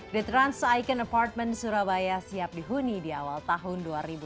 the trans icon apartment surabaya siap dihuni di awal tahun dua ribu dua puluh